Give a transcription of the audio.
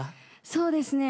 そうですね